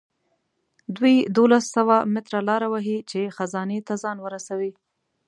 دوی دولس سوه متره لاره وهي چې خزانې ته ځان ورسوي.